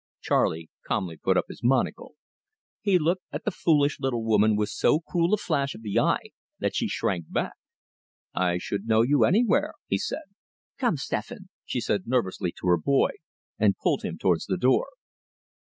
Charley calmly put up his monocle. He looked at the foolish little woman with so cruel a flash of the eye that she shrank back. "I should know you anywhere," he said. "Come, Stephan," she said nervously to her boy, and pulled him towards the door.